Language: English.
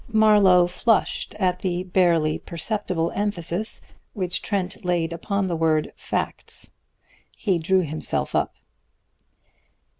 Marlowe flushed at the barely perceptible emphasis which Trent laid upon the word "facts." He drew himself up.